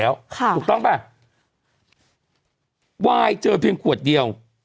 วายเจอเพียงขวดเดียว